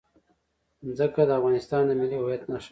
ځمکه د افغانستان د ملي هویت نښه ده.